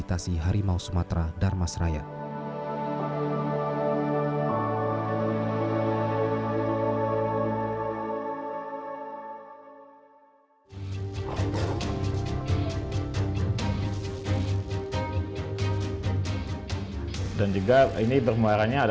makin hari ia makin mendekat ke pemukiman